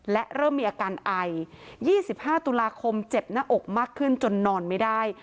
และเริ่มมีอาการไอ๒๕ตุลาคมเจ็บหน้าอกมากขึ้นจนนอนไม่ได้